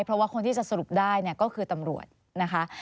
เพราะว่าคนที่จะสรุปได้ก็คือตำรวจนะคะ